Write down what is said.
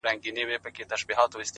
رڼا ترې باسم له څراغه ـ